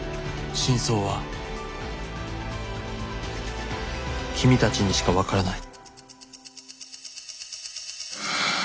「真相は君たちにしかわからない」。